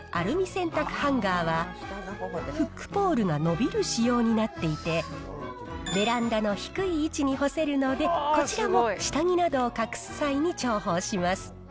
洗濯ハンガーは、フックポールが伸びる仕様になっていて、ベランダの低い位置に干せるので、こちらも下着などを隠す際に重宝します。